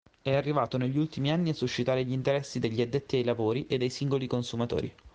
È arrivato negli ultimi anni a suscitare l'interesse degli "addetti ai lavori" e dei singoli consumatori.